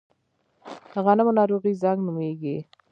د غنمو ناروغي زنګ نومیږي.